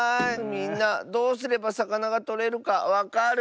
みんなどうすればさかながとれるかわかる？